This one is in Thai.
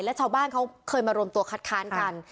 และชาวบ้านเขาเคยมารวมตัวคัดค้านกัน